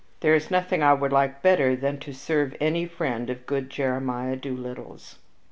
There is nothing I would like better than to serve any friend of good Jeremiah Doolittle's."